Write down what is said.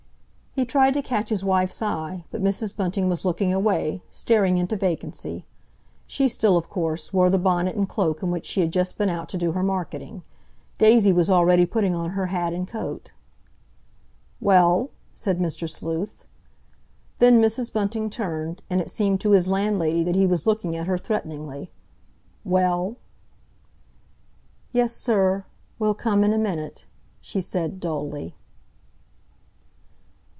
He tried to catch his wife's eye, but Mrs. Bunting was looking away, staring into vacancy. She still, of course, wore the bonnet and cloak in which she had just been out to do her marketing. Daisy was already putting on her hat and coat. "Well?" said Mr. Sleuth. Then Mrs. Bunting turned, and it seemed to his landlady that he was looking at her threateningly. "Well?" "Yes, sir. We'll come in a minute," she said dully.